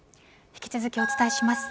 引き続き、お伝えします。